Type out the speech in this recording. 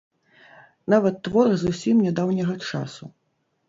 Нават творы зусім нядаўняга часу.